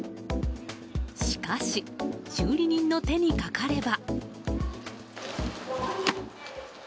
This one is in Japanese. しかし修理人の手にかかれば。